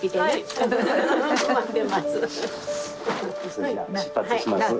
それじゃあ出発します。